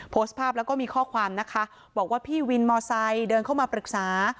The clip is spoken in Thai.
โพสต์ภาพแล้วก็มีข้อความนะคะบอกว่าพี่วินมอไซค์เดินเข้ามาปรึกษา